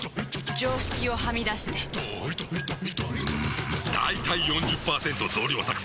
常識をはみ出してんだいたい ４０％ 増量作戦！